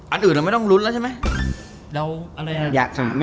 อันอื่นเราไม่ต้องลุ้นแล้วใช่ไหม